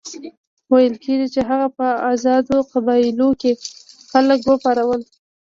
ویل کېږي چې هغه په آزادو قبایلو کې خلک وپارول.